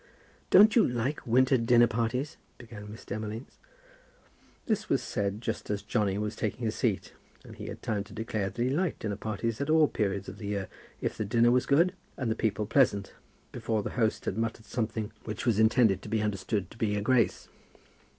"Don't you like winter dinner parties?" began Miss Demolines. This was said just as Johnny was taking his seat, and he had time to declare that he liked dinner parties at all periods of the year if the dinner was good and the people pleasant before the host had muttered something which was intended to be understood to be a grace.